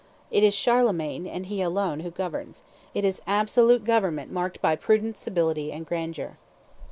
It is Charlemagne, and he alone, who governs; it is absolute government marked by prudence, ability, and grandeur.